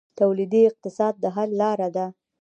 تولیدي اقتصاد د حل لاره ده